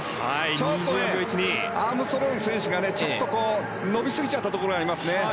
ちょっとアームストロング選手がちょっと伸びすぎちゃったところがありますね。